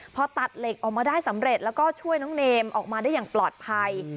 พอตัดเหล็กออกมาได้สำเร็จแล้วก็ช่วยน้องเนมออกมาได้อย่างปลอดภัย